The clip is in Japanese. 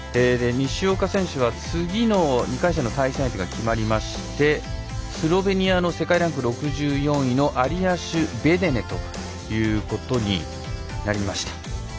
西岡選手は次の２回戦の対戦相手が決まりましてスロベニアの世界ランク６４位のアリアシュ・ベデネということになりました。